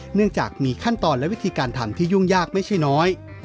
เนื่องจากมีขั้นตอนและวิธีการทำที่ยุ่งยากไม่ใช่น้อย